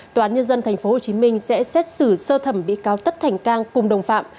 tòa án nhân dân tp hcm sẽ xét xử sơ thẩm bị cáo tất thành cang cùng đồng phạm